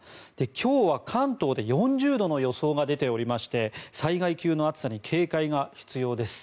今日は関東で４０度の予想が出ておりまして災害級の暑さに警戒が必要です。